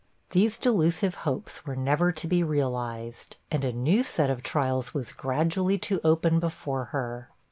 These delusive hopes were never to be realized, and a new set of trials was gradually to open before her.